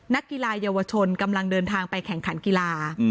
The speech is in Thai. นักกีฬาเยาวชนกำลังเดินทางไปแข่งขันกีฬา